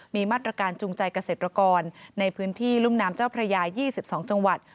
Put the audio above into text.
มีมาตรการจูงใจเกษตรกรในพื้นที่รุ่มน้ำเจ้าพระยา๒๒จังหวัด